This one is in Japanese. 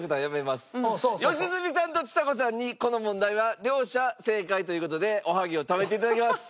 良純さんとちさ子さんにこの問題は両者正解という事でおはぎを食べていただきます。